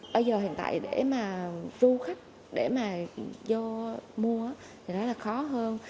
bây giờ hiện tại để mà du khách để mà vô mua thì đó là khó hơn